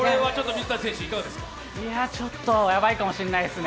ちょっとやばいかもしれないですね。